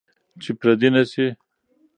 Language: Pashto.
چې پردي نشئ.